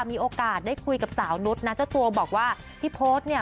มีโอกาสได้คุยกับสาวนุษย์นะเจ้าตัวบอกว่าพี่โพธเนี่ย